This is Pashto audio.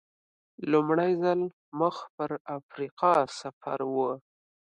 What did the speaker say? لومړی ځل مخ پر افریقا سفر و.